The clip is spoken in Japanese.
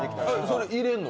それ、入れるの？